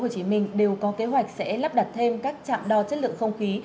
sẽ lắp đặt thêm các trạm đo chất lượng không khí